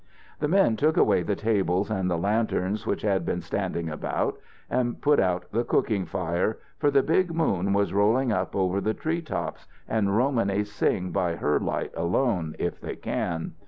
The men took away the table and the lanterns which had been standing about, and put out the cooking fire, for the big moon was rolling up over the treetops, and Romanys sing by her light alone, if they can.